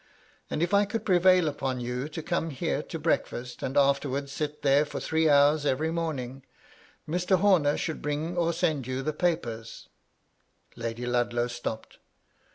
and if I could prevail upon you to come here to breakfast and afterwards sit there for three hours every morning, Mr. Homer should bring or send you the papers " Lady Ludlow stopped.